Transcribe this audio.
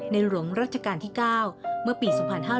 หลวงรัชกาลที่๙เมื่อปี๒๕๕๙